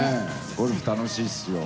ゴルフ楽しいっすよ。